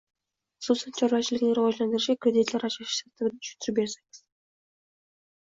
xususan chorvachilikni rivojlantirishga kreditlar ajratish tartibini tushuntirib bersangiz?